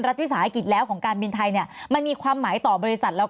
วิสาหกิจแล้วของการบินไทยเนี่ยมันมีความหมายต่อบริษัทแล้วก็